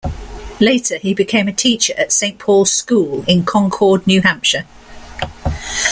Later, he became a teacher at Saint Paul's School in Concord, New Hampshire.